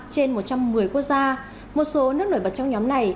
trên một trăm một mươi quốc gia một số nước nổi bật trong nhóm này